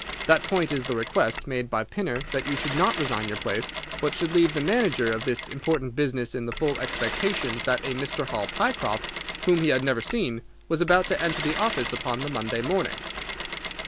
That point is the request made by Pinner that you should not resign your place, but should leave the manager of this important business in the full expectation that a Mr. Hall Pycroft, whom he had never seen, was about to enter the office upon the Monday morning."